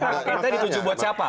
akangketnya dituju buat siapa